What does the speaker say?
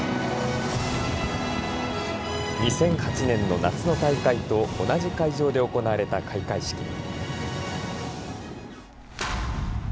２００８年の夏の大会と同じ会場で行われた開会式。